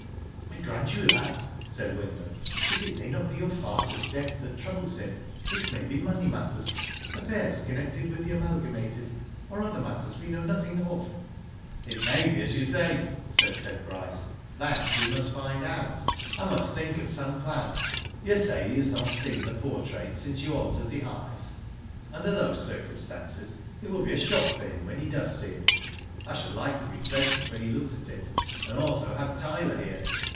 *' I grant you that," said Wyndham ;*' but it may not be your father's death that troubles him, it may be money matters, affairs connected with the Amalgamated, or other matters we know nothing of.*' It may be as you say," said Ted Bryce. *' That we must find out. I must think of some plan. You say he has not seen the portrait since you altered the eyes. Under those circu r. stances it will be a shock for him when he does see it. I should like to be present when he looks at it, and also have Tyler here.